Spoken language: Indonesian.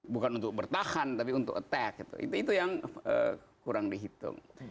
bukan untuk bertahan tapi untuk attack itu yang kurang dihitung